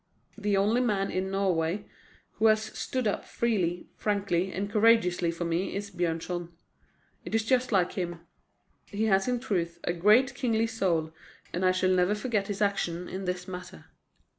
The only man in Norway who has stood up freely, frankly, and courageously for me is Björnson. It is just like him. He has in truth a great, kingly soul, and I shall never forget his action in this matter."